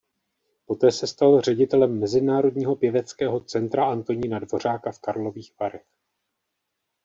Poté se stal ředitelem Mezinárodního pěveckého centra Antonína Dvořáka v Karlových Varech.